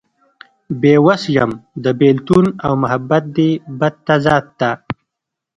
بې وس يم د بيلتون او محبت دې بد تضاد ته